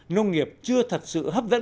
nông nghiệp chưa thật sự hấp dẫn